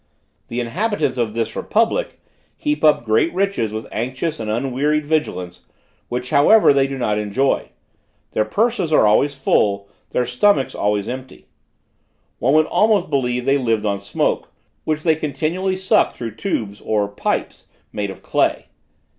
"The inhabitants of this republic heap up great riches with anxious and unwearied vigilance, which, however, they do not enjoy: their purses are always full, their stomachs always empty. One would almost believe they lived on smoke, which they continually suck through tubes or pipes, made of clay.